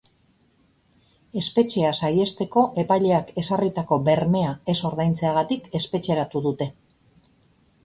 Espetxea saihesteko epaileak ezarritako bermea ez ordaintzeagatik espetxeratu dute.